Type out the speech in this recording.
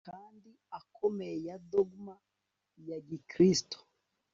kandi akomeye ya dogma ya gikristo